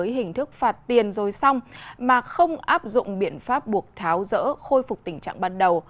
hình thức phạt tiền rồi xong mà không áp dụng biện pháp buộc tháo rỡ khôi phục tình trạng ban đầu